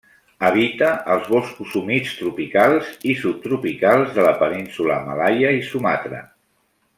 Habita els boscos humits tropicals i subtropicals de la Península Malaia i Sumatra.